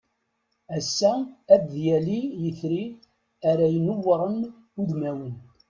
Assa ad d-yali yetri ara inewwṛen udmawen.